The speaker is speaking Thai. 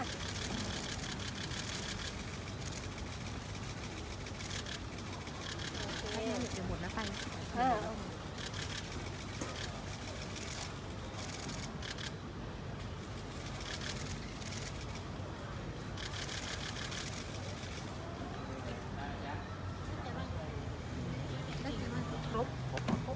โอเคเดี๋ยวหมดแล้วไปเออ